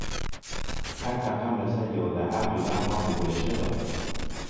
هەر تەقەم لە سەریەوە دەهات و لام وا بوو برێشکە دەخۆن